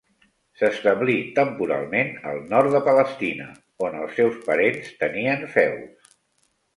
S'establí temporalment al nord de Palestina, on els seus parents tenien feus.